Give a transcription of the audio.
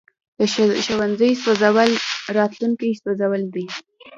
د ښوونځي سوځول راتلونکی سوځول دي.